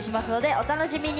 お楽しみに！